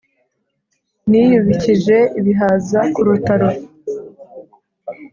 Niyubikije ibihaza ku rutaro!